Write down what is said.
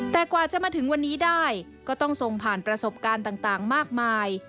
แต่กว่าจะมาถึงวันนี้ได้ก็ต้องส่งผ่านประสบการณ์ต่างมากมาย